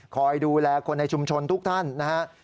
คอยดูแลคนในชุมชนทุกท่านนะฮะ